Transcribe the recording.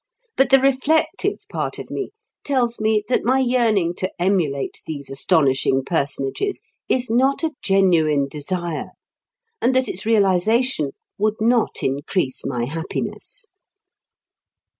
But the reflective part of me tells me that my yearning to emulate these astonishing personages is not a genuine desire, and that its realization would not increase my happiness.